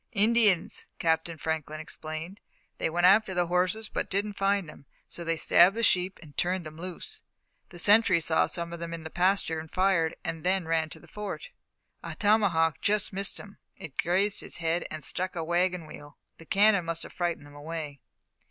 "Indians," Captain Franklin explained. "They went after the horses, but didn't find them, so they stabbed the sheep and turned them loose. The sentry saw some of them in the pasture, and fired, then ran to the Fort. A tomahawk just missed him it grazed his head and struck a waggon wheel. The cannon must have frightened them away."